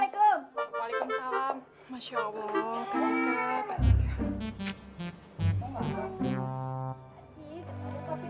eh mau ketemu papi